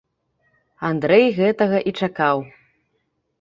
Андрэй гэтага і чакаў.